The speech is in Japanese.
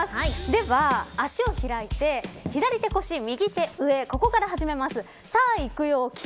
では、足を開いて左手を腰、右手を上ここから始めます。